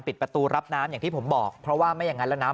ปิดประตูรับน้ำอย่างที่ผมบอกเพราะว่าไม่อย่างนั้นแล้วน้ำ